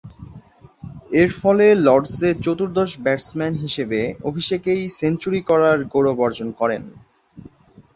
এরফলে লর্ডসে চতুর্দশ ব্যাটসম্যান হিসেবে অভিষেকেই সেঞ্চুরি করার গৌরব অর্জন করেন।